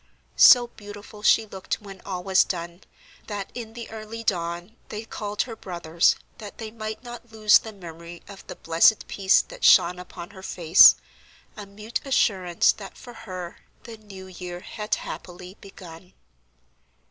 So beautiful she looked when all was done, that in the early dawn they called her brothers, that they might not lose the memory of the blessed peace that shone upon her face, a mute assurance that for her the new year had happily begun.